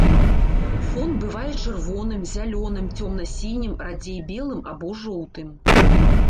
Фон бывае чырвоным, зялёным, цёмна-сінім, радзей белым або жоўтым.